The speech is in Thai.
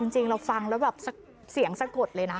จริงเราฟังแล้วแบบเสียงสะกดเลยนะ